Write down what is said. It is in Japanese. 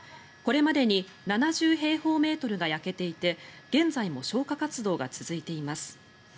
これまでに７０平方メートルが焼けていて現在も消火活動が続いています。